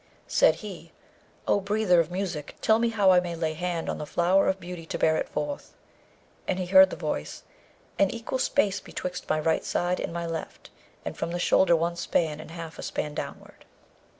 Said he, 'O breather of music, tell me how I may lay hand on the flower of beauty to bear it forth.' And he heard the voice, 'An equal space betwixt my right side and my left, and from the shoulder one span and half a span downward.'